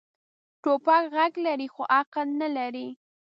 توپک غږ لري، خو عقل نه لري.